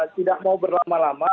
tidak mau berlama lama